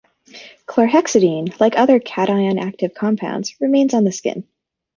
Chlorhexidine, like other cation-active compounds, remains on the skin.